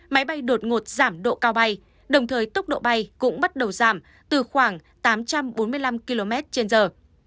máy bay đột ngột giảm độ cao bay đồng thời tốc độ bay cũng bắt đầu giảm từ khoảng tám trăm bốn mươi năm km trên giờ